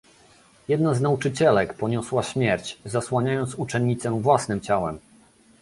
Jedna z nauczycielek poniosła śmierć, zasłaniając uczennicę własnym ciałem